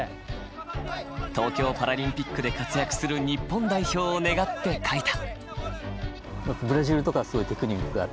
東京パラリンピックで活躍する日本代表を願って描いた。